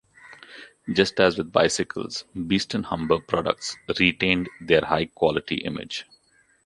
Just as with bicycles Beeston Humber products retained their high quality image.